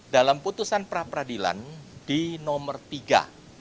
dalam putusan pra peradilan di nomor tiga